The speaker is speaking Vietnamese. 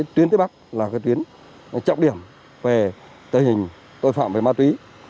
tuyến phía bắc là tuyến trọng điểm về tình hình tội phạm về ma túy